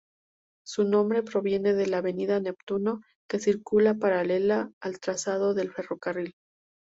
Su nombre proviene de la Avenida Neptuno, que circula paralela al trazado del ferrocarril.